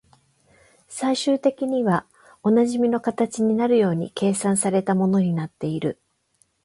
最終的にはおなじみの形になるように計算された物になっている